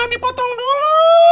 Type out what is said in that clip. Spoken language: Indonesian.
jangan dipotong dulu